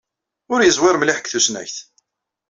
Ur yeẓwir mliḥ deg tusnakt.